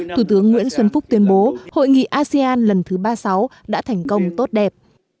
thủ tướng nguyễn xuân phúc tuyên bố hội nghị asean lần thứ ba mươi sáu đã thành công tốt đẹp